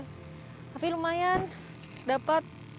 tapi lumayan dapet